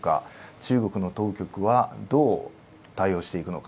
中国の当局はどう対応していくのか。